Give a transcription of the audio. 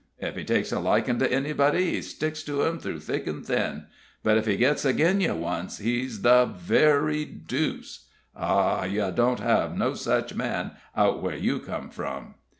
If he takes a likin' to anybody, he sticks to 'em through thick and thin; but if he gits ag'in ye once, he's the very deuce. Ah, ye don't have no such man out where you come from."